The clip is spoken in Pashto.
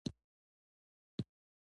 افغانستان د ټولو قومونو ګډ کور دی.